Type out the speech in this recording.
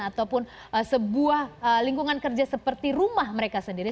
ataupun sebuah lingkungan kerja seperti rumah mereka sendiri